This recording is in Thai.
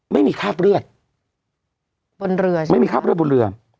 ไม่มีคราบเลือดบนเรือใช่ไหมไม่มีคราบเลือดบนเรือ